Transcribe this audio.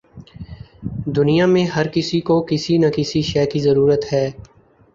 دنیا میں ہر کسی کو کسی نہ کسی شے کی ضرورت ہے۔